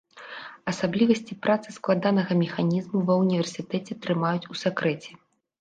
Асаблівасці працы складанага механізму ва ўніверсітэце трымаюць у сакрэце.